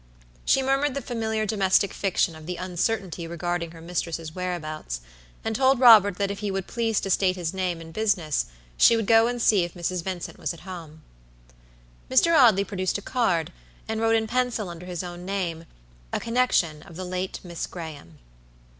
She murmured the familiar domestic fiction of the uncertainty regarding her mistress's whereabouts; and told Robert that if he would please to state his name and business, she would go and see if Mrs. Vincent was at home. Mr. Audley produced a card, and wrote in pencil under his own name: "a connection of the late Miss Graham."